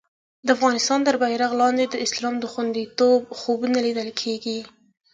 د افغانستان تر بېرغ لاندې د اسلام د خوندیتوب خوبونه لیدل کېږي.